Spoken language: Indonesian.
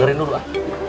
dari dulu ah